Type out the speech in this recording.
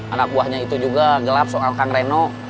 anak buahnya itu juga gelap soal kang reno